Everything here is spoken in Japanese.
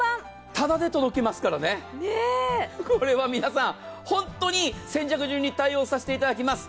ただで届きますからね、これは皆さん、本当に先着順に対応させていただきます。